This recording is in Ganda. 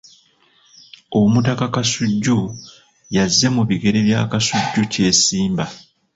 Omutaka Kasujja yazze mu bigere bya Kasujja Kyesimba.